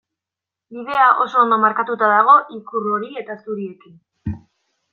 Bidea oso ondo markatuta dago ikur hori eta zuriekin.